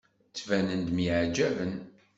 Ttbanen-d myeɛjaben.